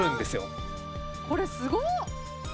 これすご！